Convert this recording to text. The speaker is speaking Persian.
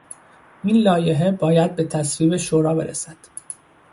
این لایحه باید به تصویب مجلس شورا برسد.